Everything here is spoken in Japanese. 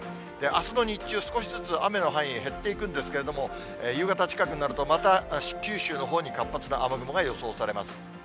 あすの日中、少しずつ雨の範囲、減っていくんですけれども、夕方近くになると、また九州のほうに活発な雨雲が予想されます。